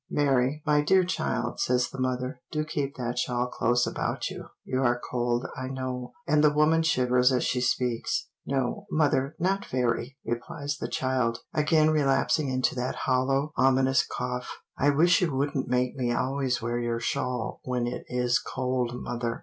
"Mary, my dear child," says the mother, "do keep that shawl close about you; you are cold, I know," and the woman shivers as she speaks. "No, mother, not very," replies the child, again relapsing into that hollow, ominous cough. "I wish you wouldn't make me always wear your shawl when it is cold, mother."